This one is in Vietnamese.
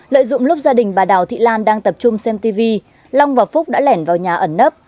lợi dụng lúc gia đình bà đào thị lan đang tập trung xem tv long và phúc đã lẻn vào nhà ẩn nấp